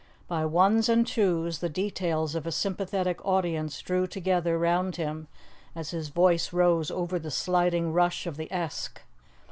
By ones and twos, the details of a sympathetic audience drew together round him as his voice rose over the sliding rush of the Esk.